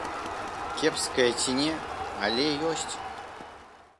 Кепская ці не, але ёсць.